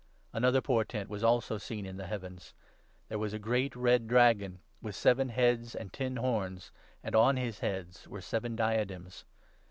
Another portent also was seen in the heavens. There 3 was a great red Dragon, with seven heads and ten horns, and on his heads were seven diadems.